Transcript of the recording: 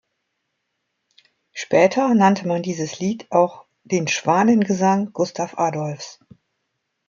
Später nannte man dieses Lied auch den „Schwanengesang Gustav Adolfs“.